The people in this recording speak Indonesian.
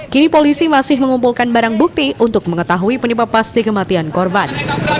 kini polisi masih mengumpulkan barang bukti untuk mengetahui penyebab pasti kematian korban